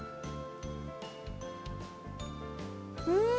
うん！